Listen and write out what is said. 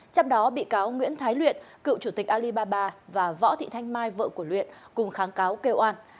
trong đó bị cáo nguyễn thái luyện cựu chủ tịch alibaba và võ thị thanh mai vợ của luyện cùng kháng cáo kêu an